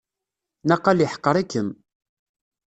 Naqal yeḥqer-ikem.